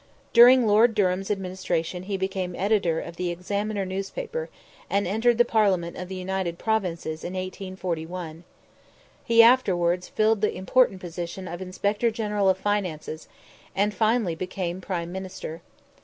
During Lord Durham's administration he became editor of the Examiner newspaper, and entered the Parliament of the United Provinces in 1841. He afterwards filled the important position of Inspector General of Finances, and finally became Prime Minister.